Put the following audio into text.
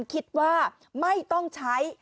คิดว่าไม่ต้องใช้